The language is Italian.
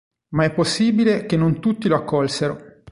Ma è possibile che non tutti lo accolsero.